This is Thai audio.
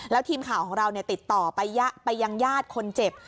แล้วทีมข่าวของเราติดต่อไปยังญาติคนเจ็บ